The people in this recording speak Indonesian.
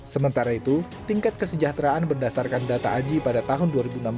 sementara itu tingkat kesejahteraan berdasarkan data aji pada tahun dua ribu enam belas